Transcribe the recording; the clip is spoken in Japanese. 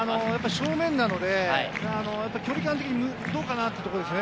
正面なので距離感的にどうかなっていうところですね。